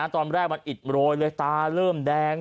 ตอนแรกมันอิดโรยเลยตาเริ่มแดง